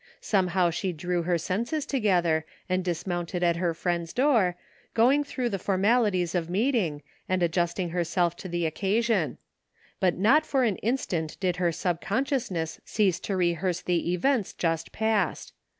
Somehow she drew her senses together and dis mounted at her friend's door, going through the for malities of meeting, and adjusting herself to the occa sion; but not for an instant did her subconsciousness cease to rehearse the events just passed.